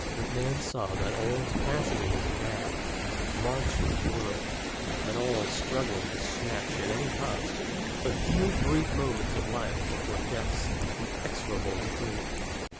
And Man saw that all is passing in this mad, monstrous world, that all is struggling to snatch, at any cost, a few brief moments of life before Death's inexorable decree.